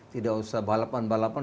tidak usah balapan balapan